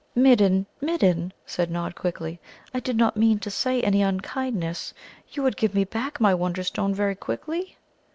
"Midden, Midden," said Nod quickly, "I did not mean to say any unkindness. You would give me back my Wonderstone very quickly?"